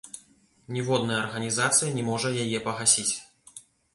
Ніводная арганізацыя не можа яе пагасіць.